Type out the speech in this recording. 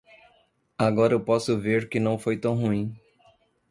Agora eu posso ver que não foi tão ruim.